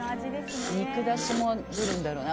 肉だしも出るんだろうな。